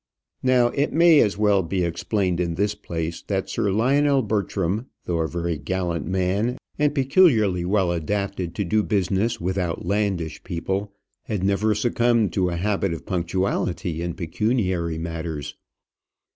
Now, it may as well be explained in this place that Sir Lionel Bertram, though a very gallant man, and peculiarly well adapted to do business with outlandish people, had never succumbed to a habit of punctuality in pecuniary matters.